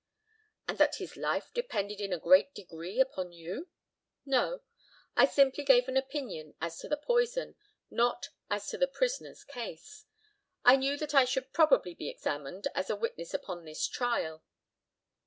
And that his life depended in a great degree upon you? No; I simply gave an opinion as to the poison, not as to the prisoner's case. I knew that I should probably be examined as a witness upon this trial.